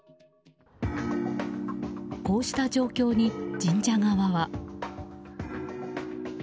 こうした状況に神社側は。